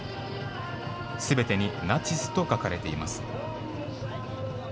すべてにナチスと書かれています。